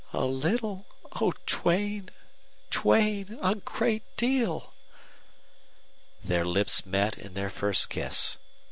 "A littler Oh, Duane Duane a great deal!" Their lips met in their first kiss.